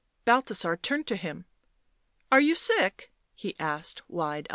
Balthasar turned to him. " Are you sick V* he asked, wide eyed.